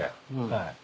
はい。